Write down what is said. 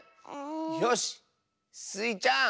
よしスイちゃん。